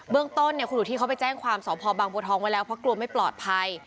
เรื่องต้นคุณอุทธิเขาไปแจ้งความสอบพอบางบัวทองไว้แล้วเพราะกลัวไม่ปลอดภัย